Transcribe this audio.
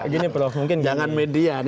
gini prof mungkin jangan media